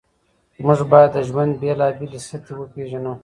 موږ باید د ژوند بېلابېلې سطحې وپېژنو.